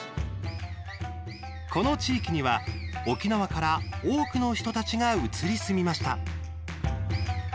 この地域には沖縄から多くの人たちが移り住みました。